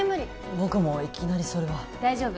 僕もいきなりそれは大丈夫